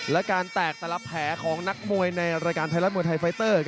และการแตกแต่ละแผลของนักมวยในรายการไทยรัฐมวยไทยไฟเตอร์